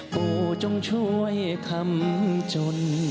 ปู่จงช่วยคำจน